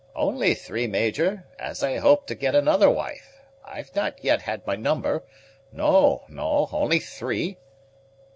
"Only three, Major, as I hope to get another wife. I've not yet had my number: no, no; only three."